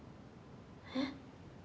えっ？